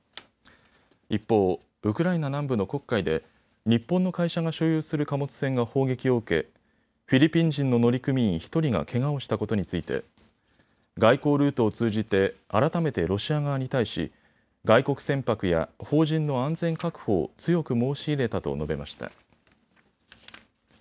一方、ウクライナ南部の黒海で日本の会社が所有する貨物船が砲撃を受け、フィリピン人の乗組員１人がけがをしたことについて外交ルートを通じて改めてロシア側に対し外国船舶や邦人の安全確保を強く申し入れたと述べました。